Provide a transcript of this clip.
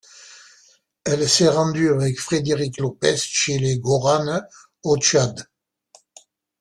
Elle s'est rendue avec Frédéric Lopez chez les Goranes, au Tchad.